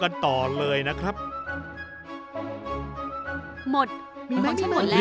กะหักษอกู